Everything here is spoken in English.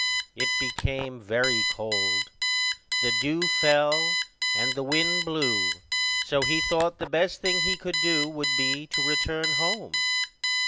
It became very cold, the dew fell, and the wind blew; so he thought the best thing he could do would be to return home.